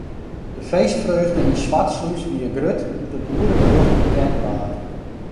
De feestfreugde yn Swartslús wie grut doe't it goede berjocht bekend waard.